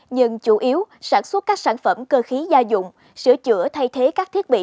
nhưng chủ yếu sản xuất các sản phẩm cơ khí gia dụng sửa chữa thay thế các thiết bị